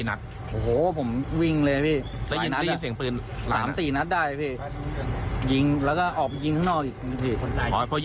ผมก็เลยวิ่งเลยยิงกี่นัดยิงกี่นัด